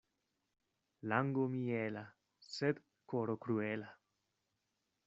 Lango miela, sed koro kruela.